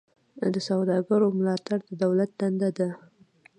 د سوداګرو ملاتړ د دولت دنده ده